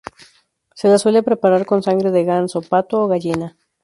Se la suele preparar con sangre de ganso, pato o gallina.